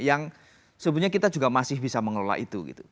yang sebenarnya kita juga masih bisa mengelola itu